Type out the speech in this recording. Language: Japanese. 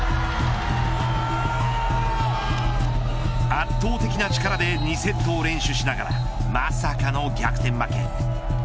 圧倒的な力で２セットを連取しながらまさかの逆転負け。